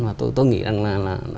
mà tôi nghĩ rằng là